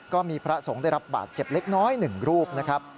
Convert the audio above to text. ก็มีพระสงฆ์ได้รับบาดเจ็บเล็กน้อย๑รูปนะครับ